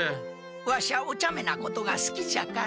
ワシャおちゃめなことがすきじゃから。